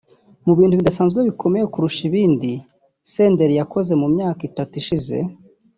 Mu bintu bidasanzwe bikomeye kurusha ibindi Senderi yakoze mu myaka itatu ishize